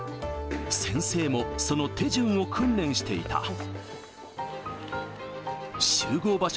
先生もその手順を訓練していた。